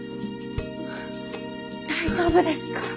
大丈夫ですか？